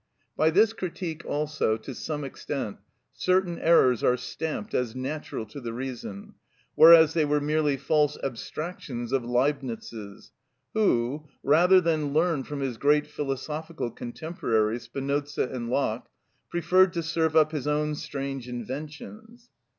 By this critique, also, to some extent, certain errors are stamped as natural to the reason, whereas they were merely false abstractions of Leibnitz's, who, rather than learn from his great philosophical contemporaries, Spinoza and Locke, preferred to serve up his own strange inventions.